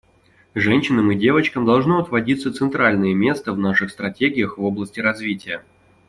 Женщинам и девочкам должно отводиться центральное место в наших стратегиях в области развития.